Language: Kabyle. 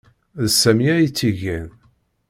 D Sami ay tt-igan.